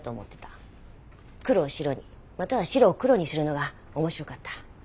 黒を白にまたは白を黒にするのが面白かった。